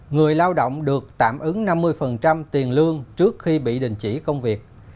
người lao động được tạm ứng năm mươi tiền lương trước khi bị đình chỉ công việc